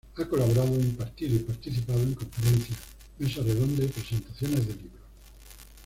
Ha colaborado, impartido y participado en conferencias, mesas redondas y presentaciones de libros.